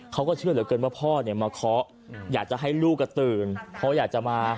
เขาก็เชื่อเหลือเกินว่าพ่อเนี่ยมาเคาะอยากจะให้ลูกก็ตื่นเพราะอยากจะมา